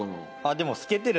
でも透けてる！